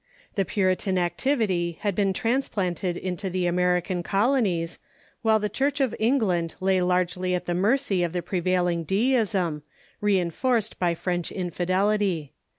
The Puritan activity had been trans planted into the American colonies, while the Church of Eng land lay largely at the mercy of the prevailing Beginning of Deism, reinforced by French infidelity.